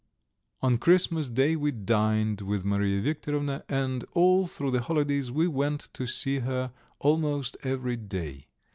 On Christmas day we dined with Mariya Viktorovna, and all through the holidays we went to see her almost every day.